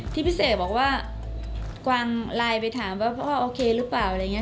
พี่พิเศษบอกว่ากวางไลน์ไปถามว่าพ่อโอเคหรือเปล่าอะไรอย่างนี้